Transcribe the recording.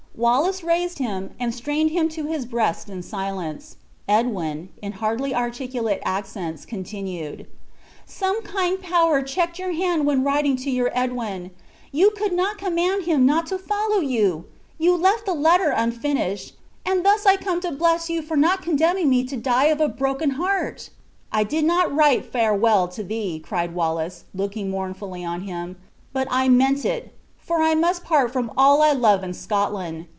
Wallace raised him, and strained him to his breast in silence. Edwin, in hardly articulate accents, continued: "Some kind power checked your hand when writing to your Edwin. You could not command him not to follow you! you left the letter unfinished, and thus I come to bless you for not condemning me to die of a broken heart!" "I did not write farewell to thee," cried Wallace, looking mournfully on him, "but I meant it, for I must part from all I love in Scotland.